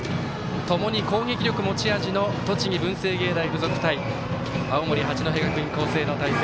ともに攻撃力持ち味の栃木、文星芸大付属対青森、八戸学院光星の対戦。